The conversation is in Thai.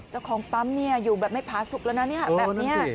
เจ้าของปั๊มอยู่แบบไม่ผาสุกแล้วนะแบบนี้